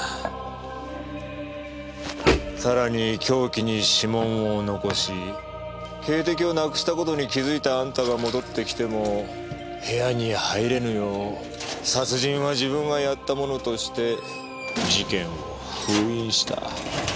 更に凶器に指紋を残し警笛をなくした事に気付いたあんたが戻ってきても部屋に入れぬよう殺人は自分がやったものとして事件を封印した。